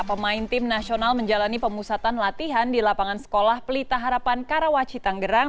pemain tim nasional menjalani pemusatan latihan di lapangan sekolah pelita harapan karawaci tanggerang